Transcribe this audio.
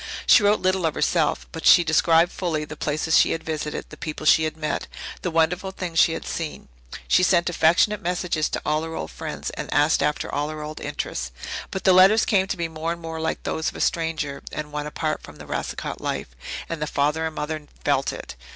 She wrote little of herself, but she described fully the places she had visited, the people she had met, the wonderful things she had seen. She sent affectionate messages to all her old friends and asked after all her old interests. But the letters came to be more and more like those of a stranger and one apart from the Racicot life, and the father and mother felt it.